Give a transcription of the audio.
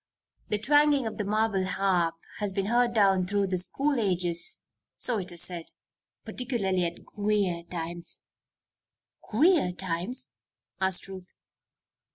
The twanging of the marble harp has been heard down through the school ages, so it is said particularly at queer times " "Queer times?" asked Ruth.